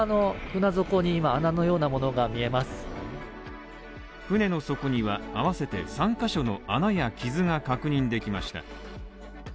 船の底には、合わせて３ヶ所の穴や傷が確認できました。